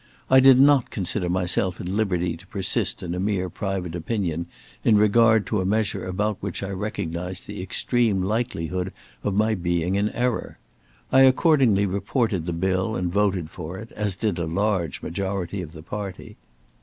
I did not consider myself at liberty to persist in a mere private opinion in regard to a measure about which I recognized the extreme likelihood of my being in error. I accordingly reported the bill, and voted for it, as did a large majority of the party.